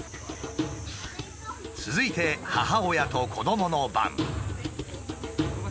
続いて母親と子どもの番。